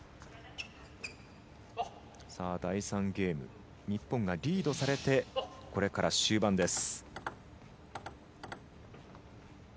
第３ゲーム日本がリードされてこれから終盤です。